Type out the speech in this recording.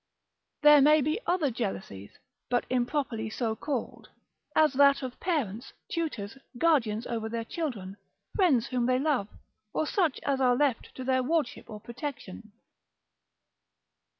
There be many other jealousies, but improperly so called all; as that of parents, tutors, guardians over their children, friends whom they love, or such as are left to their wardship or protection.